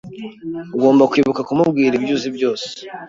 Ugomba kwibuka kumubwira ibyo uzi byose.